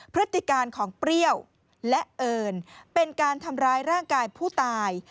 พฤติการของเปรี้ยวและเอิญเป็นการทำร้ายร่างกายผู้ตาย